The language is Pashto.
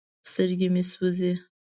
سترګې مې سوزي ـ